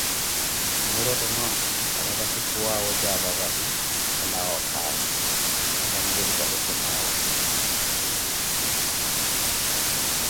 Mmwirothomwa, raphassi khuwaawetja apapaze oolawa okazi, para onvirissa shoshonawe okay hi.